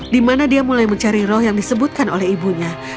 di mana dia mulai mencari roh yang disebutkan oleh ibunya